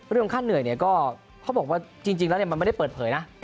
เรื่องค่าเหนื่อยเนี่ยก็เขาบอกว่าจริงแล้วมันไม่ได้เปิดเผยนะ